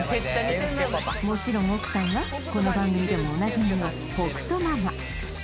もちろん奥さんはこの番組でもおなじみの北斗ママ